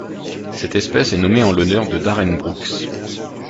Cette espèce est nommée en l'honneur de Darren Brooks.